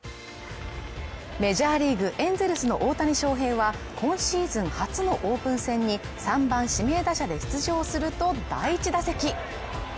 メジャーリーグエンゼルスの大谷翔平は今シーズン初のオープン戦に３番・指名打者で出場すると第１打席。